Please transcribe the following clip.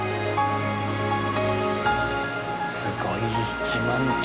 すごい１万球。